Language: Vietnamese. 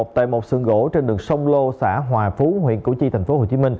tại một sườn gỗ trên đường sông lô xã hòa phú huyện củ chi tp hcm